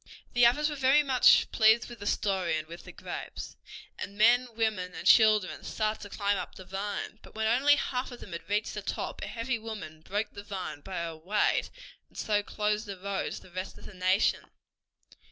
The others were very much pleased with the story and with the grapes, and men, women and children started to climb up the vine. But when only half of them had reached the top a heavy woman broke the vine by her weight, and so closed the road to the rest of the nation.